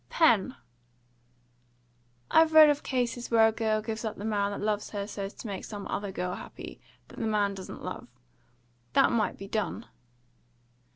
"Pen!" "I've read of cases where a girl gives up the man that loves her so as to make some other girl happy that the man doesn't love. That might be done."